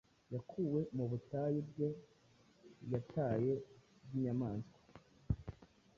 Yakuwe mu butayu bwe yataye, Bwinyamaswa,